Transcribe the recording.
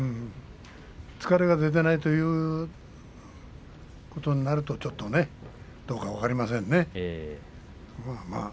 疲れが出ていないということになるとどうか分かりませんね。